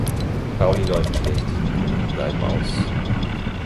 Pauli läuft schlecht, die Kunden bleiben aus.